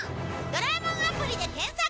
「ドラえもんアプリ」で検索！